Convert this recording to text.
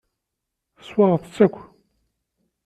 Teswaɣeḍ-t akk.